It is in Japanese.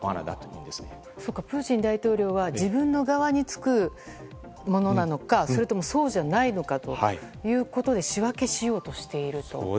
プーチン大統領は自分の側につく者なのかそれともそうじゃないのかというところで仕分けしようとしていると。